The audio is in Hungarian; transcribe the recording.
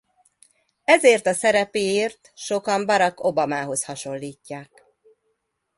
Ezért a szerepéért sokan Barack Obama-hoz hasonlítják.